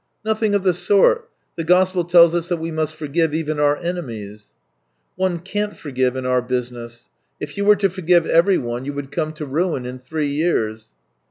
" Nothing of the sort. The Gospel tells us that we must forgive even our enemies." •" One can't forgive in our business. If you were to forgive everyone, you would come to ruin in three years."